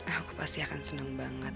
aku pasti akan senang banget